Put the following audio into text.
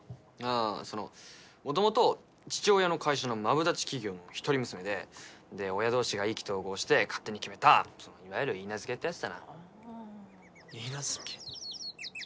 ああーそのもともと父親の会社のマブダチ企業の一人娘でで親どうしが意気投合して勝手に決めたいわゆるいいなずけってやつだなああーいいなずけ？